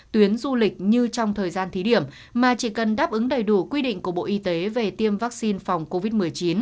tuyến du lịch như trong thời gian thí điểm mà chỉ cần đáp ứng đầy đủ quy định của bộ y tế về tiêm vaccine phòng covid một mươi chín